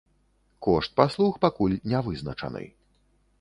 Кошт паслуг пакуль не вызначаны.